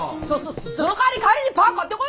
そそのかわり帰りにパン買ってこいよ！